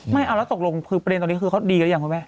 ไม่เอาละตกลงประเด็นตอนนี้เค้าดีแล้วยังหรือไม่